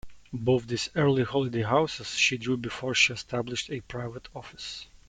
Both these early holiday houses she drew before she established a private office.